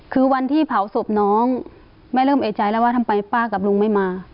คือวันที่เผาศพน้องแม่เริ่มเอกใจแล้วว่าทำไมป้ากับลุงไม่มา